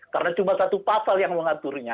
karena cuma satu pasal yang mengaturnya